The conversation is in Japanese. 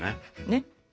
ねっ。